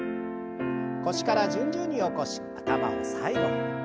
腰から順々に起こし頭を最後に。